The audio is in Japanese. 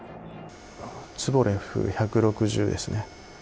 ツポレフ１６０ですね。